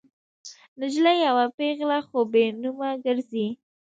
نجلۍ شوه پیغله خو بې نومه ګرزي